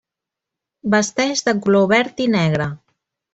Vesteix de color verd i negre.